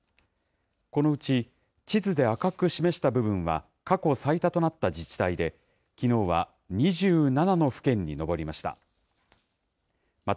このうち、地図で赤く示した部分は、過去最多となった自治体で、きのうは２７の府県に上りました。